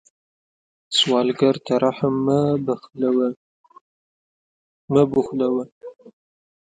سوالګر ته رحم مه بخلوه